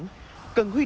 cần huy động phương án